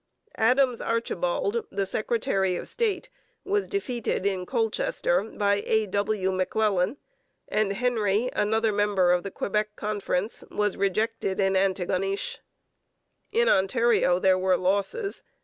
Adams Archibald, the secretary of state, was defeated in Colchester by A. W. McLelan, and Henry, another member of the Quebec Conference, was rejected in Antigonish. In Ontario there were losses.